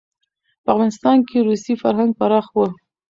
په افغانستان کې روسي فرهنګ پراخه و.